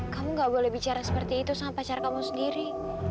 kamu gak boleh bicara seperti itu sama pacar kamu sendiri